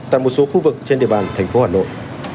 tại một số khu vực trên địa bàn thành phố hà nội